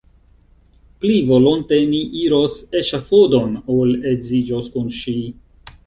Pli volonte mi iros eŝafodon, ol edziĝos kun ŝi!